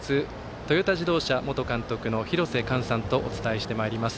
トヨタ自動車元監督の廣瀬寛さんとお伝えしてまいります。